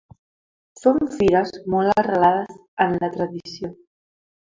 Són fires molt arrelades en la tradició.